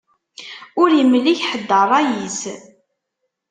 Ur imlik ḥedd ṛṛay-is.